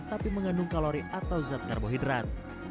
tapi mengandung kalori atau zat karbohidrat